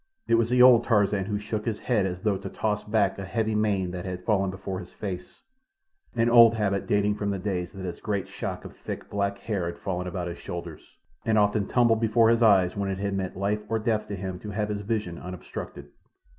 It was the old Tarzan who shook his head as though to toss back a heavy mane that had fallen before his face—an old habit dating from the days that his great shock of thick, black hair had fallen about his shoulders, and often tumbled before his eyes when it had meant life or death to him to have his vision unobstructed.